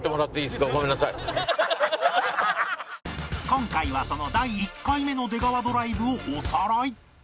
今回はその第１回目の出川ドライブをおさらい